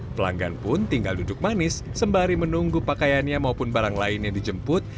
pelanggan pun tinggal duduk manis sembari menunggu pakaiannya maupun barang lain yang dijemput